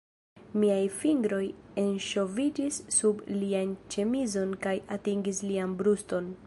Miaj fingroj enŝoviĝis sub lian ĉemizon kaj atingis lian bruston.